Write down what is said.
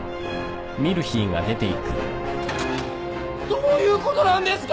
どういうことなんですか！？